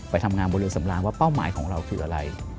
ไปทำงานบนเรือสำรางว่าเป้าหมายของเราคืออะไร